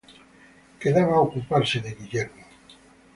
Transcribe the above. Quedaba ocuparse de Guillermo.